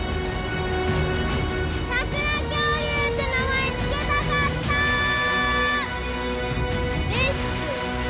サクラ恐竜って名前つけたかった！です！